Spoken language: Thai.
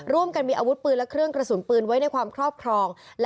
เราไม่เคยไปหาเขา